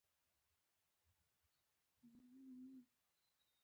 د باچا سترګې پر ولګېدې او ډوب شو.